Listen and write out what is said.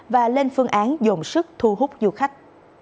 và lên phương án dồn sức thu hút du khách